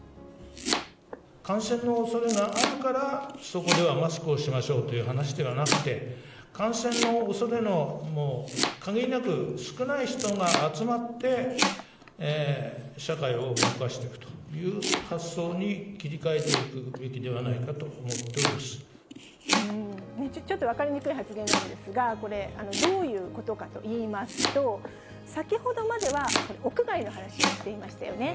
感染のおそれがあるから、そこではマスクをしましょうという話ではなくて、感染のおそれの限りなく少ない人が集まって、社会を動かしていくという発想に切り替えていくべきではないかとちょっと分かりにくい発言なんですが、これ、どういうことかといいますと、先ほどまでは、屋外の話をしていましたよね。